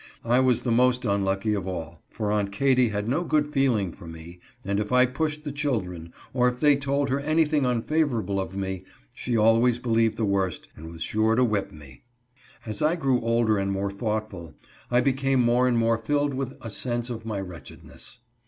I was the most unlucky of all, for Aunt Katy had no good feeling for me, and if I pushed the children, or if they told her anything unfavorable of me, she always believed the worst and was sure to whip me. As I grew older and more thoughtful, I became more and more filled with a sense of my wretchedness.